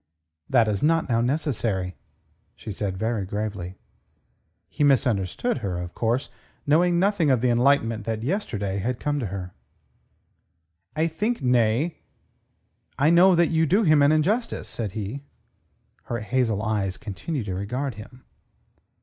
"That is not now necessary," said she very gravely. He misunderstood her, of course, knowing nothing of the enlightenment that yesterday had come to her. "I think..., nay, I know that you do him an injustice," said he. Her hazel eyes continued to regard him.